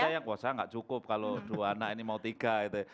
ada yang kuasa nggak cukup kalau dua anak ini mau tiga gitu